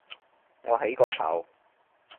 我起個頭